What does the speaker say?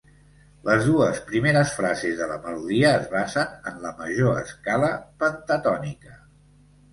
Les dues primeres frases de la melodia es basen en la major escala pentatònica.